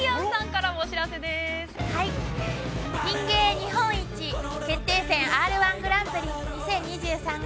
◆ピン芸日本一決定戦「Ｒ−１グランプリ２０２３」が◆